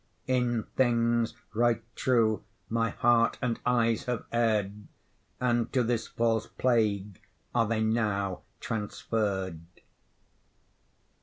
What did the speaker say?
In things right true my heart and eyes have err'd, And to this false plague are they now transferr'd.